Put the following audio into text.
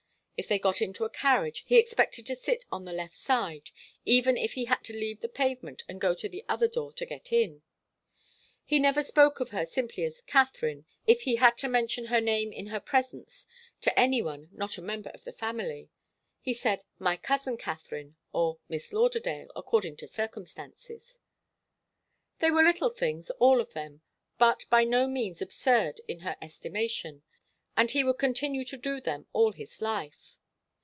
If they got into a carriage he expected to sit on the left side, even if he had to leave the pavement and go to the other door to get in. He never spoke of her simply as 'Katharine' if he had to mention her name in her presence to any one not a member of the family. He said 'my cousin Katharine,' or 'Miss Lauderdale,' according to circumstances. They were little things, all of them, but by no means absurd in her estimation, and he would continue to do them all his life.